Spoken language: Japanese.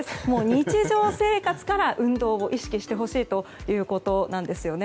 日常生活から運動を意識してほしいということなんですね。